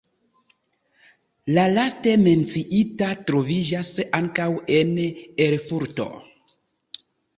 La laste menciita troviĝas ankaŭ en Erfurto.